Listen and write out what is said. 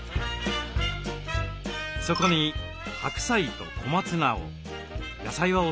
そこに白菜と小松菜を。